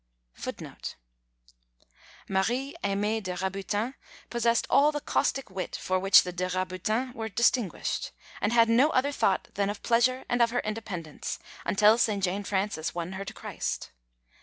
FOOTNOTES: [A] Marie Aimée de Rabutin possessed all the caustic wit for which the de Rabutins were distinguished, and had no other thought than of pleasure and of her independence, until St. Jane Frances won her to Christ.